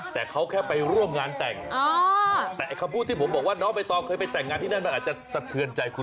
แต่เขาแค่ไปร่วมงานแต่งแต่คำพูดที่ผมบอกว่าน้องใบตองเคยไปแต่งงานที่นั่นมันอาจจะสะเทือนใจคุณ